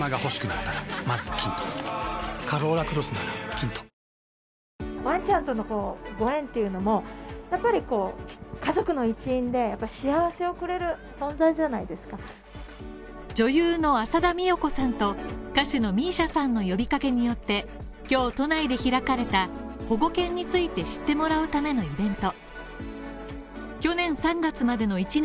選挙結果はバイデン大統領にとって大きな痛手で女優の浅田美代子さんと歌手のＭＩＳＩＡさんの呼びかけによって、今日都内で開かれた保護犬について知ってもらうためのイベント。